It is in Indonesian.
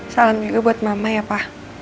salam juga buat mama ya pak